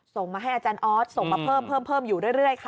ส่งมาให้อาจารย์ออสส่งมาเพิ่มอยู่เรื่อยค่ะ